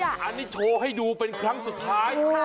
อันนี้โชว์ให้ดูเป็นครั้งสุดท้าย